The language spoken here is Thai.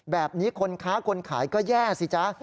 แบบนี้คนค้าคนขายก็แย่สิจ๊ะ